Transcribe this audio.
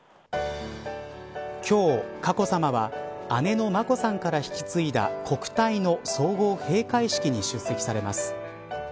今日、佳子さまは姉の眞子さんから引き継いだ国体の総合閉会式に出席されます。